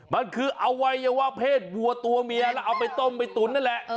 มันคืออวัยวะเพศวัวตัวเมียแล้วเอาไปต้มไปตุ๋นนั่นแหละ